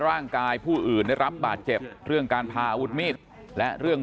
ร่างกายผู้อื่นได้รับบาดเจ็บเรื่องการพาอาวุธมีดและเรื่อง